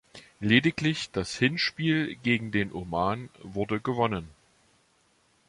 Lediglich das Hinspiel gegen den Oman wurde gewonnen.